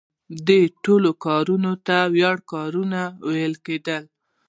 دې ټولو کارونو ته وړیا کارونه ویل کیده.